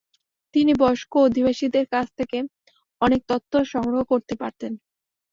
তিনি বয়স্ক অধিবাসীদের কাছ থেকে অনেক তথ্য সংগ্রহ করতে পারতেন।